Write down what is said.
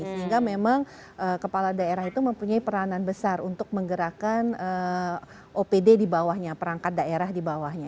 sehingga memang kepala daerah itu mempunyai peranan besar untuk menggerakkan opd di bawahnya perangkat daerah di bawahnya